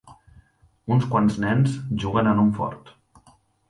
Uns quants nens juguen en un fort.